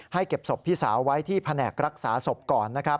ให้เก็บศพพี่สาวไว้ที่แผนกรักษาศพก่อน